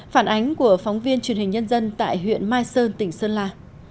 phản ánh của phóng viên truyền hình nhân dân tại huyện mai sơn tỉnh sơn la